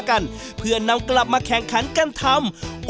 กันเพื่อนำกลับมาแข่งขันกันทำ